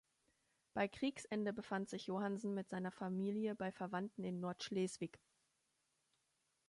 Bei Kriegsende befand sich Johannsen mit seiner Familie bei Verwandten in Nordschleswig.